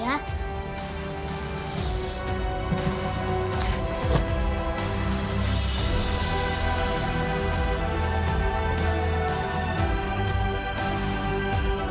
aku mau pergi